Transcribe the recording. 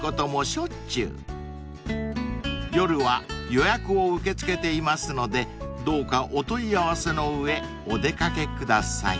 ［夜は予約を受け付けていますのでどうかお問い合わせのうえお出掛けください］